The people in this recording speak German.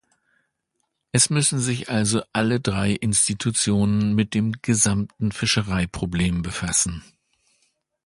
Es müssen sich also alle drei Institutionen mit dem gesamten Fischereiproblem befassen.